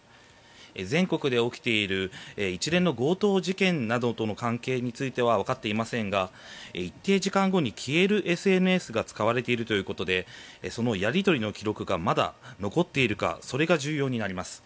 全国で起きている一連の強盗事件などとの関係についてはわかっていませんが一定時間後に消えるＳＮＳが使われているということでそのやり取りの記録がまだ残っているかそれが重要になります。